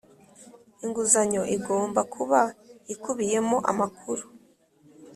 inguzanyo igomba kuba ikubiyemo amakuru.